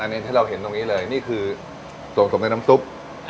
อันนี้ที่เราเห็นตรงนี้เลยนี่คือส่วนสมในน้ำซุป